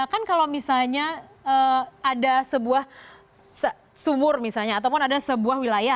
kan kalau misalnya ada sebuah sumur misalnya ataupun ada sebuah wilayah